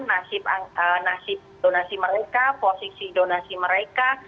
nasib nasib donasi mereka posisi donasi mereka